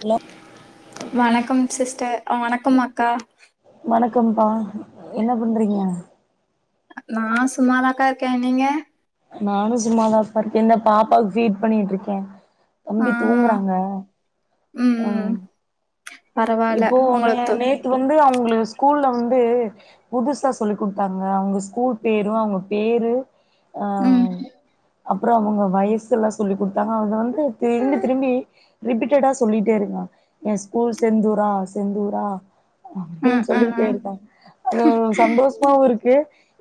hello வணக்கம் sister வணக்கம் அக்கா வணக்கம்ப்பா என்ன பண்றீங்க நா சும்மாதாக்க இருக்கே நீங்க நானு சும்மாதாம்ப்பா இருக்கே இந்த பாப்பாவுக்கு ஃபீட் பண்ணிட்டு இருக்கே தம்பி தூங்குறாங்க உம் ஆ உம் இப்போ நே நேத்து வந்து அவங்களு ஸ்கூல்ல வந் து புதுசா சொல்லிக் குடுத்தாங்க அவங்க ஸ்கூல் பேரும் அவங்க பேரு ம் ஆஹ் அப்றோ அவங்க வயசு எல்லா சொல்லி குடுத்தாங்க அத வந்து திரும்பி திரும்பி ரிபீட்டடா சொல்லிட்டே இருக்கா என் ஸ்கூல்ஸ் செந்தூரா செந்தூரா அப்படின்னு ம் சொல்லிட்டு ம் இருக்கா அது சந்தோஷமாவும் இருக்கு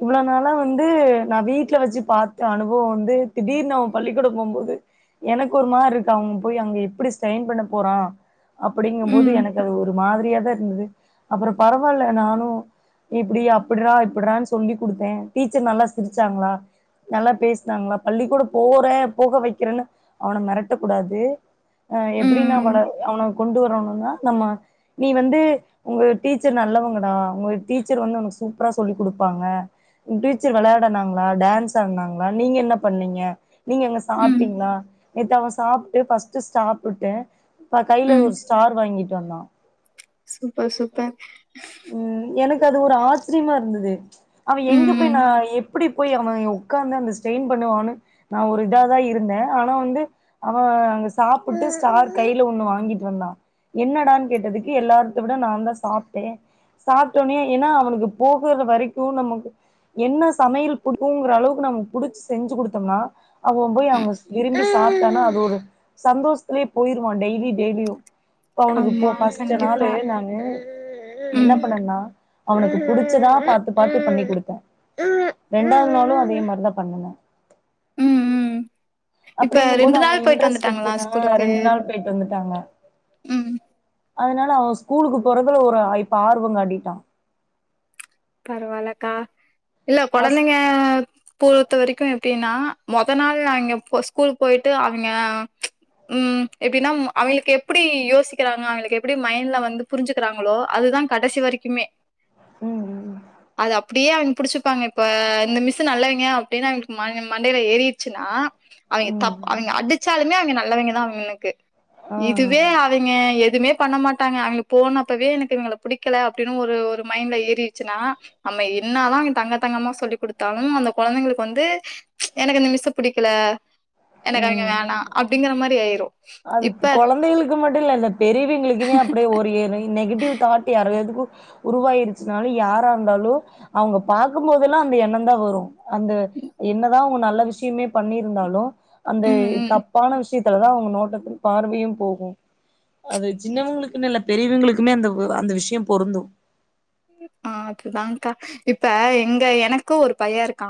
இவ்வளவு நாளா வந்து நான் வீட்டுல வச்சு பார்த்த அனுபவம் வந்து திடீர்னு அவன் பள்ளிக்கூடம் போகும்போது எனக்கு ஒரு மாரி இருக்கு அவன் போய் அங்க எப்படி ஸ்டைன் பண்ண போறான் அ போம்பேது ம் எனக்கு அது ஒரு மாதிரியாதான் இருந்தது அப்புறம் பரவாயில்ல நானும் இப்படி அப்படிடா இப்படிடான்னு சொல்லி கொடுத்தேன் டீச்சர் நல்லா சிரிச்சாங்களா நல்லா பேசினாங்களா பள்ளி கூட போறேன் போக வைக்கிறேன்னு அவனை மிரட்டக்க கூடாது அஹ் ம் எப்படின்னா அவள ம் அவன கொண்டு வரணும் நம்ம நீ வந்து உங்க டீச்சர் நல்லவங்கடா உங்க டீச்சர் வந்து உனக்கு சூப்பரா சொல்லி கொடுப்பாங்க உங்க டீச்சர் விளையாடனாங்களா டான்ஸ் ஆடனாங்களா நீங்க என்ன பண்ணீங்க நீங்க அங்க ம் சாப்பிட்டீங்களா ஏத்து அவன் சாப்பிட்டு பர்ஸ்ட் சாப்பிட்டேன் எப்ப கையில ம் ஒரு ஸ்டி வாங்கிட்டு வந்தான் சூப்பர் சூப்பர் ம் எனக்கு அது ஒரு ஆச்சரியமா இருந்தது அவ எங்க போய் ம் நான் எப்படி போய் அவன் உட்க்காந்து அந்த ஸ்டெயின் பண்ணுவான்னு நான் ஒரு இதாக தான் இருந்தேன் ஆனா வந்து அவன் அங்க சாப்பிட்டு ஸ்டார் கையில ஒண்ணு வாங்கிட்டு வந்தான் என்னடான்னு கேட்டதுக்கு எல்லாரத்த விட நான் தான் சாப்பிட்டேன் சாப்பிட்டோனே ஏன்னா அவனுக்கு போகுற வரைக்கும் நமக்கு என்ன சமையல் பிடுக்கும்ங்கிற அளவுக்கு நமக்கு புடிச்சு செஞ்சு கொடுத்தோம்னா அவன் போய் அவங்க விரும்பி சாப்பிட்டானா அது ஒரு சந்தோஷத்திலே போயிருவான் டெய்லி டெய்லியும் இப்ப அவனுக்கு போ ஆமா பஸ்ட் னாலு கண்டிப்பா நானு என்ன ம் பண்ணனா அவனுக்கு புடிச்சதா பார்த்து பார்த்து பண்ணி கூடுத்தேன் ரெண்டாவது நாளும் அதே மாரிதான் பன்னுனேன் உம் உம் அப்படிங்கும்போது அவங்க இன்ட்ரெஸ்ட் எடுத்துனா ஸ்கூலுக்கு ரெண்டு நாள் போயிட்டு வந்துட்டாங்க ம் அதனால அவன் ஸ்கூலுக்கு போறதுல ஒரு இப்ப ஆர்வம் காட்டிட்டான் பரவாலக்கா இல்ல ஃபஸ்ட் குழந்தைங்க பொறுத்த வரைக்கும் எப்படின்னா மொத நாள் நாங்க ஸ்கூல் போயிட்டு அவங்க உஹம் எப்படின்னா அவங்களுக்கு எப்படி யோசிக்கிறாங்க அவங்களுக்கு எப்படி மைண்ட்ல வந்து புரிஞ்சுக்கிறாங்களோ அதுதான் கடைசி வரைக்குமே உம் உம் அது அப்படியே அவங்க புடிச்சுப்பாங்க இப்ப இந்த மிஸ்சு நல்லவங்க அப்படின்னு அவங்களுக்கு மண்டையில ஏறிடுச்சுன்னா அவங்க ம் ம் தப் அவங்க அடிச்சாலுமே அவங்க நல்லவங்க தாம் எனக்கு ஆ இதுவே அவங்க எ எதுமே பண்ண மாட்டாங்க அவங்களுக்கு போனப்பவே எனக்கு இவங்களை பிடிக்க அப்படின்னு ஒரு ஒரு மைண்ட்ல ஏறி ப்பனா நம்ம என்னாதான் தங்க தங்கமா சொல்லி கொடுத்தாலும் அந்த குழந்தைங்களுக்கு வந்து எனக்கு அந்த மிஸ்சு பிடிக்கல என்ன அவங்க ம் வேணாம் அப்படிங்கிற மாதிரி ஆயிரும் அது குழந்தைகளுக்கு மட் [unintelligible] பெரியவங்களுக்குமே அப்படியே ஒரு ஏணை நெகட்டிவ்தாட் யார் எதுகு உருவாயிருச்சுனாலு யாராருந்தாலு அவுங்க பாக்கும்போதெல்லா அந்த எண்ணம் தா வரும் அந்த என்னதா நல்ல விஷ்யமே பண்ணியிருந்தாலு அந்த ம் ம் தப்பான விஷ்யத் ததா அவுங்க நோட் பார்வையும் போகும் அது சின்னவங்களுக்குன் இல்ல பெரியவங்களுக்குமே அந்த அந்த விஷ்யம் பொருந்தும் ஆ அதுதான்கா இப்ப எங்க எனக்கு ஒரு பைய இருக் கா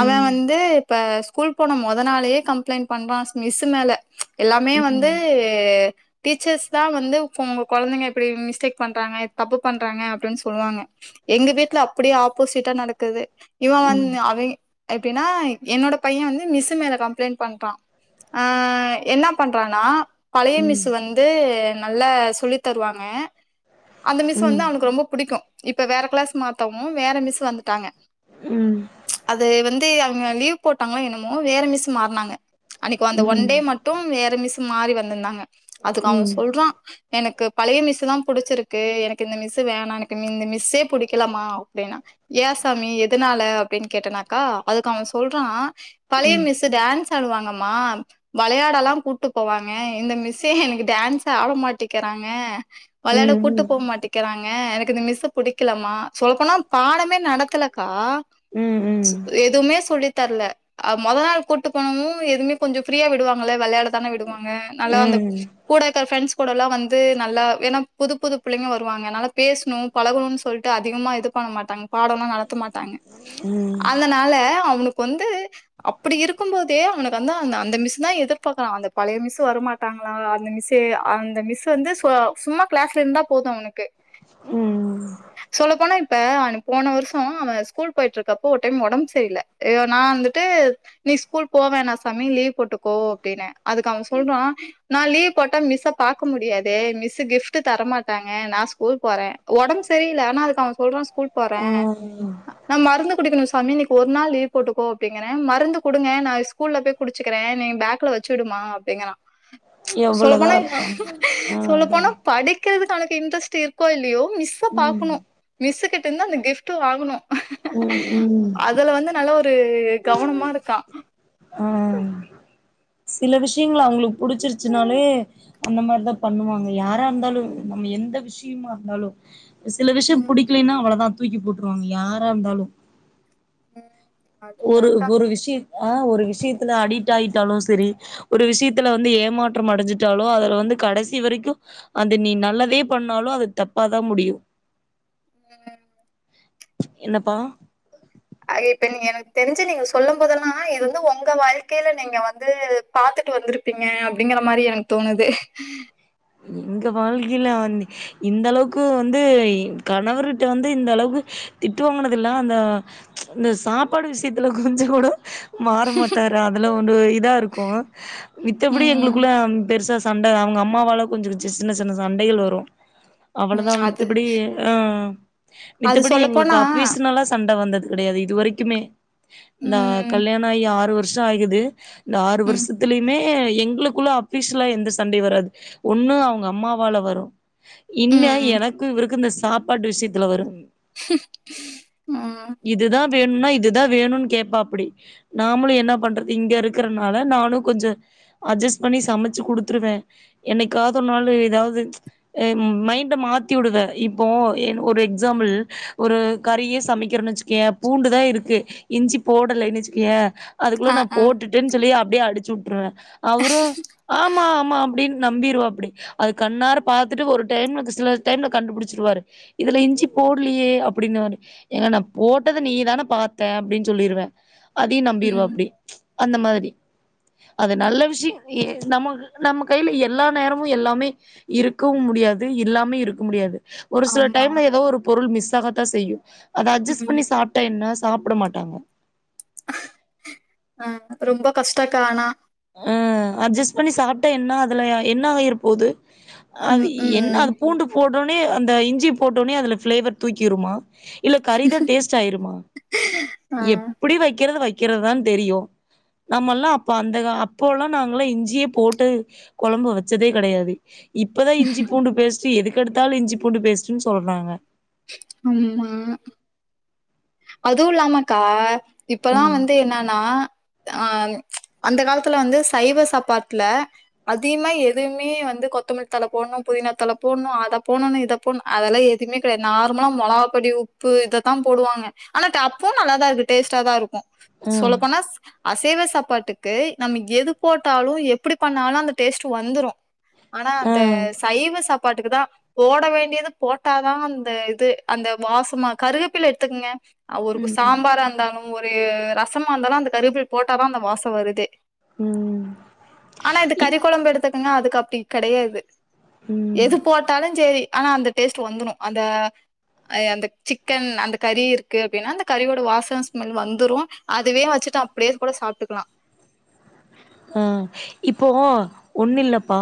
அவெ வந்து இப்ப ஸ்கூல் போன மொத நாளே கம்ப்ளைண்ட் பண்றா மிஸ்ஸு மேல எல்லாமே ம் வந்து டீச்சர்ஸ் தா வந்து உங்க கொழந்தைங்க இப்புடி மிஸ்டேக் பண்றாங்க தப்பு பண்றாங்க அப்டின் சொல்லுவாங்க எங்க வீட்ல அப்டியே ஆப்போசிட்டா நடக்குது இவ ம் வந்து அவே எப்டின்னா என்னோட பைய வந்து மிஸ்ஸு மேல கம்ப்ளைண்ட் பண்றா ஆ என்ன பண்றானா பழைய ம் மிஸ்ஸு வந்து நல்லா சொல்லி தருவாங்க அந்த மிஸ் வந்து ம் அவனுக்கு ரொம்பப் க்கு இப்ப வேற க்ளாஸ் மாத்தவு வேற மிஸ் வந்துட்டாங்க ம் அது வந்து க லீவ் போட்டாங்களா என்னமோ வேற மிஸ் மாறுனாங்க அன்னக்கு ம் அந்த ம் ஒன் டே ம் மட்டும் வேற மிஸ் மாறி வந்துந்தாங்க அதுக்கு அவ ம் சொல்றா எனக்கு பழைய மிஸ்ஸு தா புடுச்சிருக்கு எனக்கு இந்த மிஸ்ஸு வேணானு க்கு இந்த மிஸ்ஸே புடிக்கலமா அப்டின்னா ஏ சாமி எதுனால அப்டின் கேட்டனாக்கா அதுக்கு அவ சொல்றா பழைய மிஸ்ஸு டான்ஸ் ஆடுவாங்கம்மா வளையாடல்லா கூட்டு போவாங்க இந்த மிஸ்ஸே எனக்கு டான்ஸ் ஆட மாட்டேக்கறாங்க ம் ம் வளையாட கூட்டு ம் போ மாட்டெகிறாங்க எனக் கு இந்த மிஸ்ஸு புடிக்கலமா சொல்லபோன பாடமே நடத்தலக்கா ம் எதுமே சொல்லி தர்ல அ மொத நாள் கூட்டு போனமு எதுமே கொஞ்சம் ஃப்ரீயா விடுவாங்கல்ல வெளையாட தானே விடுவா ங்க அனால வந்த கூட இருக்க ஃப்ரண்ட்ஸ் கூடல்லா வந்து நல்லா என்னா புது புது புள்ளைங்க வருவாங்க நல்லா பேச னு பழகணுனு சொல்ட்டு அதிகமா இது பண்ண மாட்டாங்க பாடொல்லா நடத்த மாட்டாங்க அதனால அவனுக்கு வந்து அப்புடி இருக்கும் போதே அவனுக்கு வந்து அந்த அந்த மிஸ் தா எதிர்பாக்குறா அந்த பழைய மிஸ் வரமாட்டாங்ளா அந்த மிஸ்ஸு அந்த மிஸ் வந்து சும்மா க்ளாஸ்லந்தா போது அவனுக்கு ம் சொல்ல போனா இப்ப அவனுக் போன வருஷோ அவ ஸ்கூல் போயிட்ருக்கப்போ ஒரு டைம் ஒடம் சரியில யோ நா வந்துட்டு நீ ஸ்கூல் போவேணா சாமி லீவ் போட்டுக்கோ அப்டின்னே அதுக்கு அவ சொல்றா நா லீவ் போட்டா மிஸ்ஸ பாக்க முடியாதே மிஸ்ஸு கிஃப்ட் தரமாட்டாங்க நா ஸ்கூல் போறே ஒடம் சரியில்ல ஆனா அதுக்கு அவ சொல்றா ஸ்கூல் போறே ம் ம் நா மருந்து குடிக்கணு சாமி இன்னைக்கு ஒரு நாள் லீவ் போட்டுக்கோ அப்புடிங்கிறே மருந்து குடுங்க நா ஸ்கூல்ல போய் குடுச்சக்கிறே நீ பேக்ல வச்சு விடுமா அப்புடிங்கிறா சொல்ல எவ்வளதா போனா ஆ ஆ சொல்ல போனா அதானே படி க்கிறதுக்கு ஒனக்கு இன்ட்ரஸ்ட் இரு கோ இல்லையோ மிஸ்ஸ ம் பாக்கணும் மிஸ்ஸு கிட்ட இருந்து அந்த கிஃப்ட்டு வாங்கணு ம் ம் அதுல வந்து நல்ல ஒரு கவனமா இருக்கா ஆ சில விஷயங்கள் அவங்களுக்கு புடிச்சிருச்சுனாலே அந்த மாரிதா பண்ணுவாங்க யாரா இருந்தாலு நம்ம எந்த விஷயமா இருந்தாலு சில விஷயம் ம் புடிக்கலைன்னா அவ்ளோதா தூக்கி போட்ருவாங்க யாரா இருந்தாலு ச [unintelligible] ஒரு ஒரு விஷிய ஆஹ் ஒரு விஷியத்துல அடிட் ஆயிட்டாலு செரி ஒரு விஷியத்துல வந்து ஏமாற்றம் அடைஞ்சிட்டாலோ அதுல வந்து கடைசி வரைக்கு அது நீ நல்லதே பண்ணாலு அது தப்பாதா முடியு ஹ்ம் என்னப்பா ஐ இப்ப நீங்க எனக்கு தெரிஞ்சி நீங்க சொல்லும் போதெல்லா இது வந்து உங்க வாழ்க்கையில நீங்க வந்து பார்த்துட்டு வந்திருப்பீங்க அப்டிங்கிற மாரி எனக்கு தோணுது எங்க வாழ்க்கையில வந்து இந்த அளவுக்கு வந்து கணவருட்ட வந்து இந்த அளவுக்கு திட்டு வாங்னது இல்ல அந்த இந்த சாப்பாடு விஷயத்துல கொஞ்சங்கூட மாறமாட்டரு அதுல ஒரு இதா இருக்கு மித்தபடி ம் எங்களுக்குள்ள பெருசா சண்ட அவுங்க அம்மாவால கொஞ்ச கொஞ்ச சின்ன சின்ன சண்டைகள் வரு அவ்ளோதா ம் அது மித்தபடி ஆஹ் அது மித்தபடி எங்களுக்கு சொல்லப்போனா அஃபிசனல்லா சண்ட வந்தது கிடையாது இது வரைக்குமே இந்த ம் கல்யாண ஆகி ஆறு வரு ஷ ஆகுது இந்த ஆறு ம் வருஷத்துலயுமே எங்களுக்குள்ள ஃஅபிஷ்னலா எந்த சண்டையு வராது ஒன்னு அவுங்க அம்மாவால வரு இன்ன ம் எனக்கு இருவருக்கு இந்த சாப்பாடு விஷயத்ல்ல வரு ம் வேனுன்னா இதுதா வேனுன்னு கேப்பா அப்டி நாமளு என்ன பண்றது இங்க இருக்கனால நானு கொஞ்ச அட்ஜஸ் பண்ணி சமைச்சி குடுத்துருவே என்னைக்கா தொரு நாலு ஏதாவது மைண்ட மாதிவுடுது இப்போ என் ஒரு எக்ஸாம்பிள் ஒரு கறியே சமைக்கிறேனு வச்சிக்கே பூண்டு தா இருக்கு இஞ்சி போடலைன்னு வச்சிக்கே அதுக்குள்ள ஆ நான் ஆ போட்டுட்டேன்னு சொல்லி அப் டியே அடிச்சுட்டுருவே அவரும் ஆமா ஆமா அப்டின்னு நம்பிர்வாவ்ப்டி அது கண்ணார பாத்துட்டு ஒரு டைம்க்கு சில டைம்ல கண்டுபிடிச்சிடுவாரு இதுல இஞ்சி போடலையே அப்டின்னு வாரு ஏங்க நா போட்டத நீ தானே பாத்த அப்டின்னு சொல்லிருவே அதையு ம் நம்பிர்வாவ்ப்டி அந்த மாதிரி அது நல்ல விஷிய ஏ நமக்கு நம்ம கையில எல்லா நேரமு எல்லாமே இருக்கவு முடியாது இல்லாம இருக்க முடியாது ஒரு சில ஆமா டைம்ல ஏதோ ஒரு பொருள் மிஸ் [unintelligible] செய்யு அத அட்ஜஸ் ம் பண்ணி சாப்டா என்ன சாப்பிடமாட்டாங்க ஆ ரொம்ப கஷ்டக்கா ஆனா ஆ அட்ஜஸ்ட் பண்ணி சாப்ட்டா என்ன அதுல என்ன ஆயிருப்போது அது ம் என்ன ம் அது பூண்டு போட் டவுடனே அந்த இஞ்சி போட்டவுட்னே அது ஃபிளேவர் தூக்கிருமா இல்ல கறிதா டேஸ்ட் ஆயிருமா ஆ எப்டி வைக்கறத வை க்கிறதுதான்னு தெரியு நம்மல்லா அப்ப அந்த கா அப் போ எல்லா நாங்கல்லா இஞ்சியே போட்டு கொழம்பு வச்சதே கெடையாது இப்பதா இஞ்சி பூண்டு பேஸ் சி எதுக்கெடுத்தாலு இஞ்சி பூண்டு பேஸ்டுன்னு சொல்றாங்க ம் ஆமா அதுவு இல்லாமக்கா இப்பல்லா ம் வந்து என்னன்னா அ அந்த காலத்துல வந்து சைவ சாப்பாட்ல அதிகமா எதுவுமே வந்து கொத்தமல்லி தழ போடணு புதினா தழ போடணு அத போடணு இத போடணு அதெல்லா எதுவுமே கெடையாது நார்மலா மொளகாப்பொடி உப்பு இதத்தா போடுவாங்க ஆனாட்டா அப்போவு நல்லாதா இருக்கு டேஸ்ட்டாதா இருக்கும் ஆ சொல்லப் போனா அசைவ சாப்பாட்டு க்கு நம்ம எது போட்டாலு எப்படி பண்ணாலு அந்த டேஸ்ட் வந்துரு ஆனா ஆ அந்த சைவ சா ப்பாட்டுக்குதா போட வேண்டியது போட்டாதா அந்த இது அந்த வாசமா கருவேப்பில எடுத்துக்கங்க அவுருக்கு ம் ம் சாம்பாரா இருந்தாலும் ஒரு ரசமா இருந்தாலு அந்த கருவேப்பில் போட்டாதா அந்த வாசம் வருது ம் ஆனா இது இப் கறிக் கொழம்பு எடுத்து க்கங்க அதுக்கு அப்டி கெடையாது ம் எது போட்டாலுஞ் செரி ஆனா அந்த டேஸ்ட் வந்துனு அந்த அ அந்த சிக்கன் அந்த கறி இரு க்கு அப்டின்னா அந்த கறியோட வாசன ஸ்மெல் வந்துரு அதவே வச்சுட்டு அப்டியே கூட சாப்ட்டுக்கலா ஆ இப்போ ஒண்ணு இல்லப்பா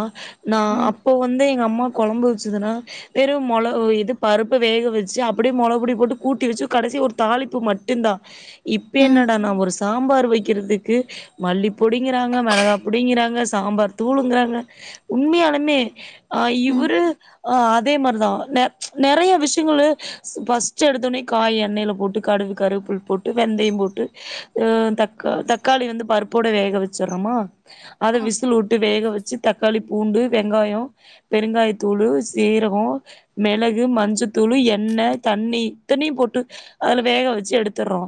நா ம் அப்போ வந்து எங்க அம்மா கொழம்பு வச்சதுனா வெறு மொள இது பருப்ப வேக வச்சு அப்படியே மொளகுபொடி போட்டு கூட்டி வச்சு கடைசியா ஒரு தாளிப்பு மட்டும்தா இப்போ ம் என்னடான்னா ஒரு சாம்பார் வைக்கிறதுக்கு மல்லிப்பொடி ங்கிறாங்க மெளகாப்பொடிங்கிறாங்க சாம்பார் தூளுங்கிறாங்க உண்மையாலுமே ஆ ம் இவரு ஆ அதே மாரிதா ந நெறைய விஷயங்கலு ஃபர்ஸ்ட் எடுத்தவுட்னே காய எண்ணெயில போட்டு கடுகு கருவேப்பில் போட்டு வெந்தயம் போட்டு ஆ தக்க தக்காளி வந்து பருப்போடு வேக வ ச்சர்றமா அத விசில் விட்டு வேக வச்சு தக்காளிப் பூண்டு வெங்காயோ பெருங்காயத்தூளு சீரகோ மெளகு மஞ்சத்தூளு எண்ணெ தண்ணி இத்தனையு போட்டு அதுல வேக வச்சு எடுத்துர்றோ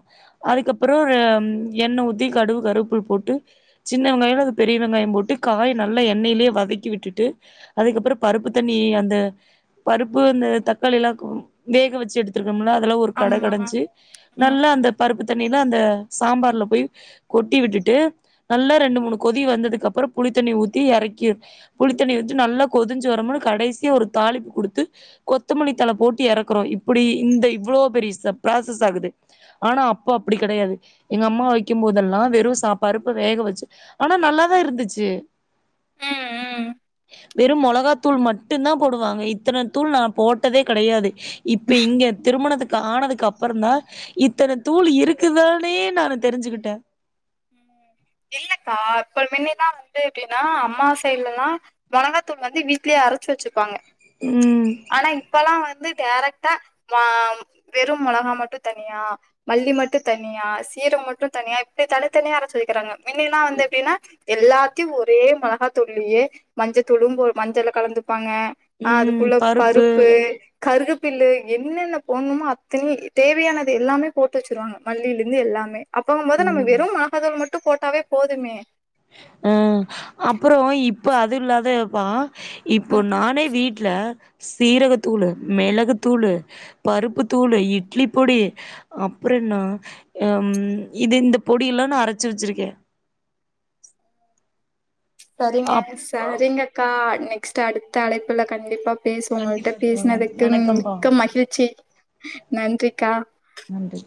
அதுக்கப்புறோ அம் எண்ணெ ஊத்தி கடுகு கருவேப்பில் போட்டு சின்ன வெங்காயல அது பெரிய வெங்காயம் போட்டு காய்ய நல்லா எண்ணெயிலயே வதக்கி விட்டுட்டு அதுக்கப்புறம் பருப்பு தண்ணி அந்த பருப்பு அந்த தக்காளிய எலாம் வேக வச்சு எடுத்து இதம்ல அதெல்லாம் ஒரு கட ஆமா கடைஞ்சு ம் நல்லா அந்த பருப்பு தண்ணியில அந்த சாம்பார்ல போய் கொட்டி விட்டுட்டு நல்லா ரெண்டு மூணு கொதி வந்ததுக்கு அப்புறம் புளித்தண்ணி ஊத்தி இறக்கி புளித்தண்ணி ஊத்தி நல்லா கொதிஞ்சு வரமன்னனு கடைசியாக ஒரு தாலிப்பு கொடுத்து கொத்தமல்லி தல போட்டு இறக்குறோம் இப்படி இந்த இவ்வளோ பெரிய ப்ராசஸ் ஆகுது ஆனா அப்போ அப்படி கிடையாது எங்க அம்மா வைக்கும்போதெல்லாம் வெறும் சாப்பாரு வேக வச்சு ஆனா நல்லாதான் இருந்துச்சு ஹம் உஹம் வெறும் மிளகாத்தூள் மட்டும்தான் போடுவாங்க இத்தன தூள் நான் போட்டதே கிடையாது இப்ப இங்க திருமணத்துக் ஆனதுக்கு அப்புறம்தான் இத்தன தூள் இருக்குதானே நான் தெரிஞ்சுக்கிட்டேன் இல்லக்கா இப்ப வின்னால வந்து எப்படின்னா அம்மா சைடுலல்லாம் மொளகாத்தூள் வந்து வீட்லயே அரச்சு வச்சுப்பாங்க ம் ஆனா இப்பல்லாம் வந்து டேரட்டா வெறும் மிளகா மட்டும் தனியா மல்லி மட்டும் தனியா சீரம் மட்டும் தனியா இப்படி தால த்தனிய அரச்சி வக்கிறாங்க முன்னல்லாம் வந்து எப்படின்னா எல்லாத்தையும் ஒரே மிளகா தூள்லளையே மஞ்சள் தூலுழம்பு ஒரு மஞ்சள் கலந்து ப்பாங்க அதுக்குள்ள பருப்பு கருக பில்லு என்னென்ன போடணுமோ அத்தனயும் தேவையானது எல்லாமே போட்டு வச்சருவாங்க மல்லில இருந்து எல்லாமே அப்பகும் போது நம்ம ம் வெறும்மா மட்டும் போட்டாவே போதுமே ஹம் அப்புறம் இப்போ அது இல்லாதப்பா ஆ இப்போ நானே வீட்டுல சீரகத்தூள் மிளகு தூள் பருப்பு தூள் இட்லி பொடி அப்புறம் என்ன ஹம் இது இந்த பொடிய எல்லாம் நான் அரச்சு வச்சிருக்கேன் சரிங்க அப்ப சரிங்கக்கா நெக்ஸ்ட் அடுத்த அழைப்புல கண்டிப்பா பேசுவோ உங்களிட்ட கண்டிப்பா தோழா பேசுனதுக்கு வணக்கம்ப்பா மிக்க மகிழ்ச்சி நன்றிக்கா நன்றி